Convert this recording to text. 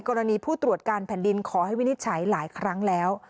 กรณีผู้ตรวจการแผ่นดินขอให้วินิจฉัยหลายครั้งแล้ว